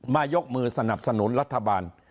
ยกมือสนับสนุนรัฐบาล